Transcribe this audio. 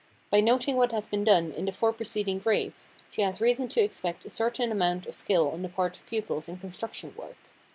By noting what has been done in the four preceding grades, she has reason to expect a certain amount of skill on the part of pupils in construction work.